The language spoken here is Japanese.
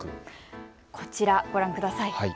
こちら、ご覧ください。